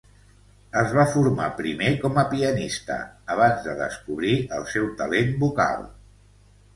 Es va formar primer com a pianista, abans de descobrir el seu talent vocal.